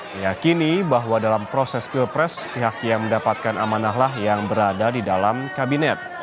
meyakini bahwa dalam proses pilpres pihak yang mendapatkan amanahlah yang berada di dalam kabinet